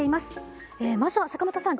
まずは坂本さん